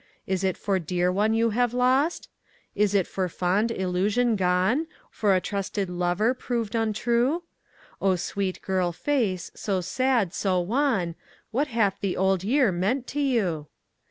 Is it for dear one you have lost? Is it for fond illusion gone? For trusted lover proved untrue? O sweet girl face, so sad, so wan What hath the Old Year meant to you?